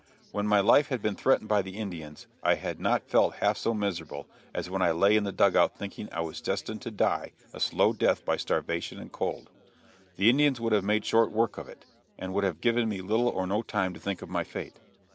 When my life had been threatened by the Indians I had not felt half so miserable as when I lay in the dug out thinking I was destined to die a slow death by starvation and cold. The Indians would have made short work of it, and would have given me little or no time to think of my fate.